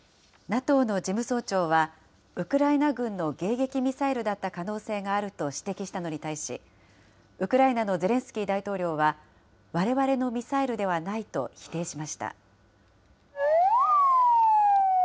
ＮＡＴＯの事務総長は、ウクライナ軍の迎撃ミサイルだった可能性があると指摘したのに対し、ウクライナのゼレンスキー大統領は、われわれのミサイルではないと否定しました。